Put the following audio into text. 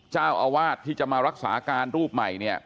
เจ้าอาวาสที่จะมารักษาการรูปใหม่เนี่ย